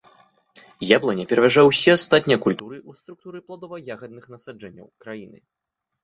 Яблыня пераважае ўсе астатнія культуры ў структуры пладова-ягадных насаджэнняў краіны.